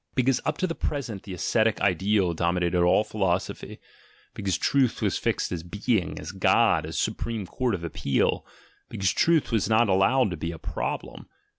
Because up to the present the ascetic ideal dominated all philosophy, because Truth was fixed as Being, as God, as the Supreme Court of Appeal, because Truth was not allowed to be a problem.